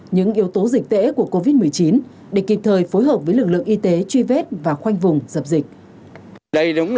những yếu tố dịch tễ của covid một mươi chín để kịp thời phối hợp với lực lượng y tế truy vết và khoanh vùng dập dịch